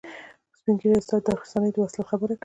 سپین ږیری استاد د غرڅنۍ د وصلت خبره کوي.